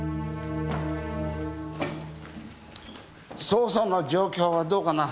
捜査の状況はどうかな？